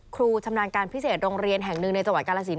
ชำนาญการพิเศษโรงเรียนแห่งหนึ่งในจังหวัดกาลสิน